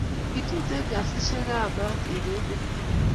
KikoTuten kasisihek ab maat en emt